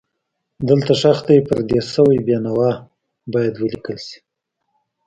دلته ښخ دی پردیس شوی بېنوا باید ولیکل شي.